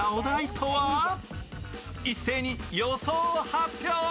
一斉に予想を発表。